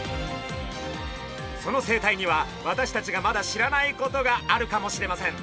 その生態には私たちがまだ知らないことがあるかもしれません。